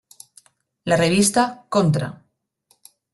La revista "Contra.